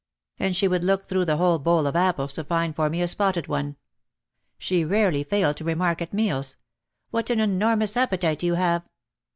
And she would look through the whole bowl of apples to find for me a spotted one. She rarely failed to remark at meals: "What an enormous appetite you have